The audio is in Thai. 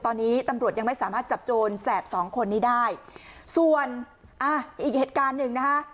ตอนนี้ตำรวจยังไม่สามารถจับโจรแสบสองคนนี้ได้ส่วนอ่าอีกเหตุการณ์หนึ่งนะคะ